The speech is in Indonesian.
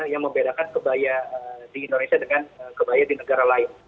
yang membedakan kebaya di indonesia dengan kebaya di negara lain